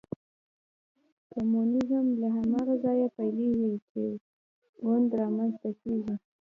کمونیزم له هماغه ځایه پیلېږي چې ګوند رامنځته کېږي.